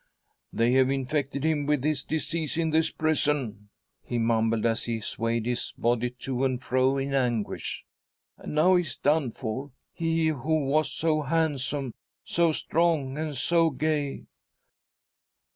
"They have infected him with his disease in this prison," he mumbled, as he swayed his body to and fro in anguish. " And now he is done for, ' he who was so handsome, so strong, and so gay."